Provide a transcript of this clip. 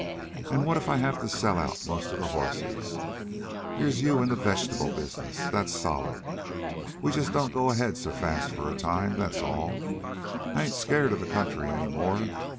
An' what if I have to sell out most of the horses? Here's you and the vegetable business. That's solid. We just don't go ahead so fast for a time, that's all. I ain't scared of the country any more.